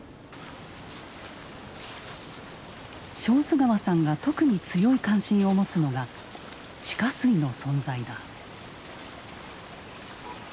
小豆川さんが特に強い関心を持つのが地下水の存在だ。